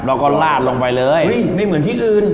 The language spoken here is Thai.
แล้วก็ลาดลงไปเลยไม่เหมือนที่อื่น